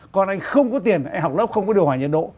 con anh không có tiền anh học lớp không có điều hòa nhiệt độ